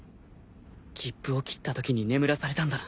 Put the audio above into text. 切符をきったときに眠らされたんだな